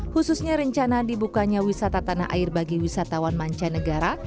khususnya rencana dibukanya wisata tanah air bagi wisatawan mancanegara